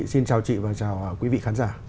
xin chào chị và chào quý vị khán giả